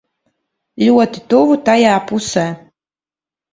Ļoti tuvu tajā pusē.